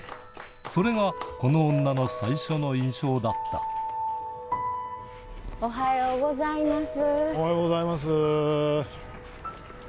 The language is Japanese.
それがこの女の最初の印象だったおはようございます。